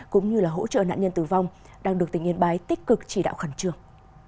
cũng như hỗ trợ nạn nhân tử vong đang được tỉnh yên bái tích cực chỉ đạo khẩn trường